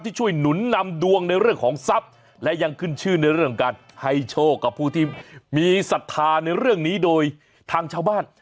ช่วยหนุนนำดวงในเรื่องของทรัพย์และยังขึ้นชื่อในเรื่องการให้โชคกับผู้ที่มีศรัทธาในเรื่องนี้โดยทางชาวบ้าน